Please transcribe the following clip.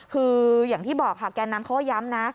คืออย่างที่บอกค่ะแกนนำเขาก็ย้ำนะ